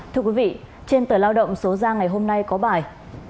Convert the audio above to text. thưa quý vị trên tờ lao động số ra ngày hôm nay có bài